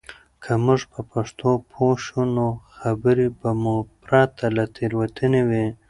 که موږ په پښتو پوه شو، نو خبرې به مو پرته له تېروتنې وي.